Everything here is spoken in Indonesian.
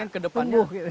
pengen ke depannya